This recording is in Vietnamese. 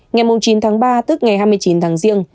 ngày chín tháng ba tức ngày hai mươi chín tháng riêng